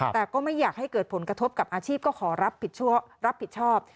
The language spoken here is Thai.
แต่ก็ไม่อยากให้เกิดผลกระทบกับอาชีพก็ขอรับผิดชอบ